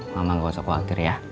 mama gak usah khawatir ya